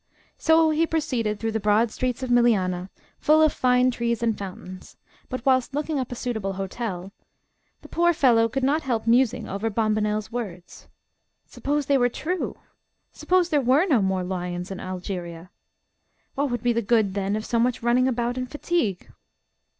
So he proceeded through the broad streets of Milianah, full of fine trees and fountains; but whilst looking up a suitable hotel, the poor fellow could not help musing over Bombonnel's words. Suppose they were true! Suppose there were no more lions in Algeria? What would be the good then of so much running about and fatigue?